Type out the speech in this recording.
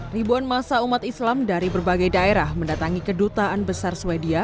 ribuan masa umat islam dari berbagai daerah mendatangi kedutaan besar sweden